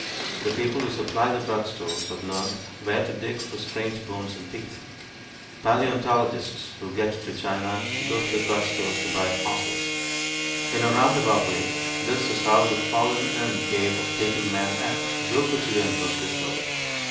The people who supply the drug stores have learned where to dig for strange bones and teeth. Paleontologists who get to China go to the drug stores to buy fossils. In a roundabout way, this is how the fallen in cave of Peking man at Choukoutien was discovered.